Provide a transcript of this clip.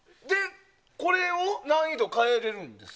これは難易度を変えられるんですか？